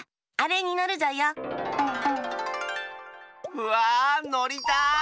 うわのりたい！